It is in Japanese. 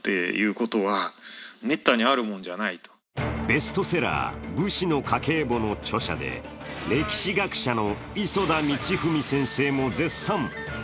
ベストセラー「武士の家計簿」の著者で歴史学者の磯田道史先生も絶賛。